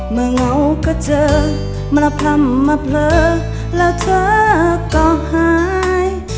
เมื่อเหงาก็เจอมาพร่ำมาเพลิกแล้วเธอก็หาย